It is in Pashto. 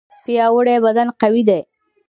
پیاوړی بدن قوي دی.